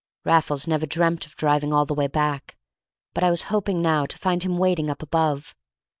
Raffles never dreamt of driving all the way back; but I was hoping now to find him waiting up above.